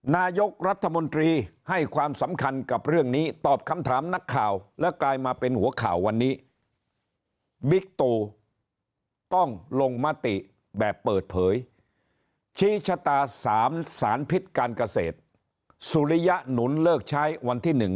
นายกรัฐมนตรีให้ความสำคัญกับเรื่องนี้ตอบคำถามนักข่าว